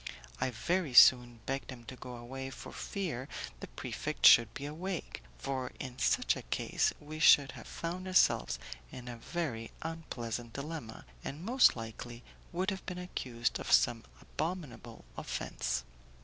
I very soon begged him to go away for fear the prefect should be awake, for in such a case we should have found ourselves in a very unpleasant dilemma, and most likely would have been accused of some abominable offence.